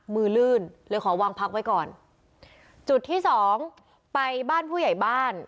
ลื่นเลยขอวางพักไว้ก่อนจุดที่สองไปบ้านผู้ใหญ่บ้าน